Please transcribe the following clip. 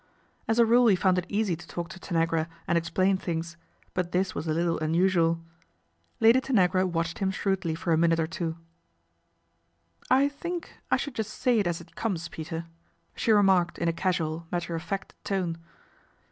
As a rule he found it easy to talk to Tanagra and explain things; but this was a little unusual. Lady Tanagra watched him shrewdly for a minute or two LORF PETER'S S.O.S. 115 " I think I should just say it as it comes, Peter," she remarked in a casual, matter of fact tone.